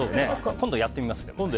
今度やってみますね。